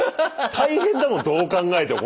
大変だもんどう考えても。